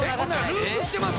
ループしてます？